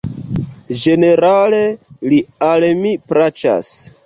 Ĝenerale li al mi plaĉas.